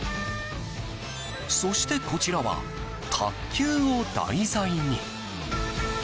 そして、こちらは卓球を題材に。